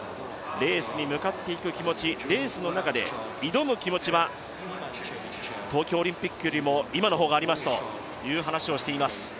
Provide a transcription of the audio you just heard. レースに向かっていく気持ち、レースの中で挑む気持ちは東京オリンピックよりも今の方がありますという話をしています。